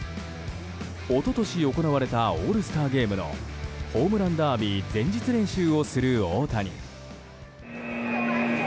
一昨年行われたオールスターゲームのホームランダービー前日練習をする大谷。